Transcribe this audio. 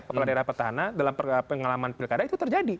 kepala daerah petahana dalam pengalaman pilkada itu terjadi